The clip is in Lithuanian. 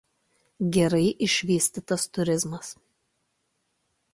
Gerai išvystytas turizmas.